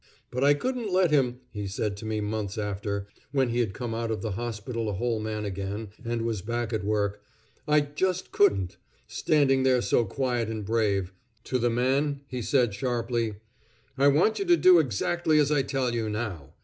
"But I couldn't let him," he said to me, months after, when he had come out of the hospital a whole man again, and was back at work, "I just couldn't, standing there so quiet and brave." To the man he said sharply: "I want you to do exactly as I tell you, now.